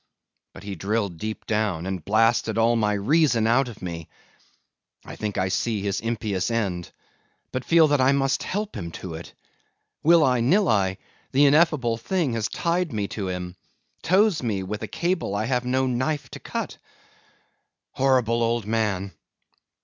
But he drilled deep down, and blasted all my reason out of me! I think I see his impious end; but feel that I must help him to it. Will I, nill I, the ineffable thing has tied me to him; tows me with a cable I have no knife to cut. Horrible old man!